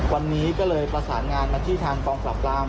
วันนี้ก็เลยประสานงานมาที่ทางกองปราบราม